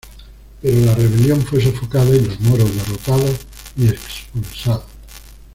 Pero la rebelión fue sofocada, y los moros derrotados y expulsados.